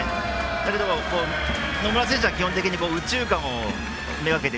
だけど、野村選手は基本的に右中間を目がけて